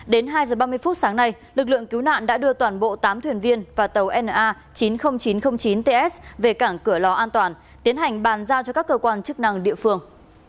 đến hai h ba mươi phút sáng nay lực lượng cứu nạn đã đưa toàn bộ tám thuyền viên và tàu na chín mươi nghìn chín trăm linh chín ts về cảng cửa lò an toàn tiến hành bàn giao cho các cơ quan chức năng địa phương